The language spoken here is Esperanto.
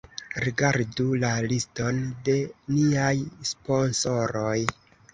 Rigardu la liston de niaj sponsoroj